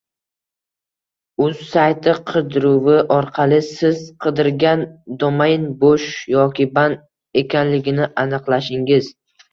Uz sayti qidiruvi orqali Siz qidirgan domain bo’sh yoki band ekanligini aniqlashingiz